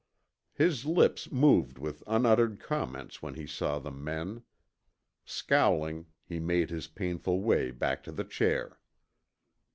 His lips moved with unuttered comments when he saw the men. Scowling, he made his painful way back to the chair.